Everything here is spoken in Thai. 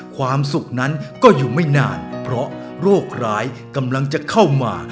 ความสุขนั้นก็อยู่ไม่นานเพราะโรคร้ายกำลังจะเข้ามา